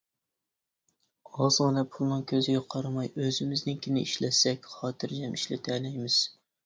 ئازغىنە پۇلنىڭ كۆزىگە قارىماي ئۆزىمىزنىڭكىنى ئىشلەتسەك خاتىرجەم ئىشلىتەلەيمىز.